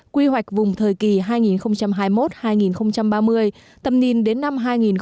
quy hoạch vùng thời kỳ hai nghìn hai mươi một hai nghìn ba mươi tầm nhìn đến năm hai nghìn năm mươi